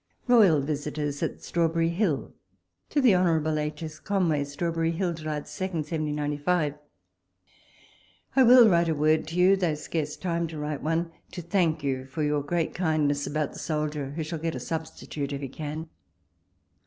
... nOYAL VISITORS AT STRAWBEIiliY HILL. To THE Hon. H. S. Conway. Strawberry Hill, Juli/ 2, 1795. I WILL write a word to you, though scarce time to write one, to thank you for your great kindness about the soldier, who shall get a sub stitute if he can.